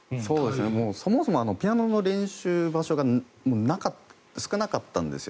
そもそもピアノの練習場所が少なかったんです。